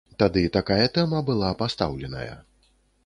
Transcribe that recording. Тады такая тэма была пастаўленая.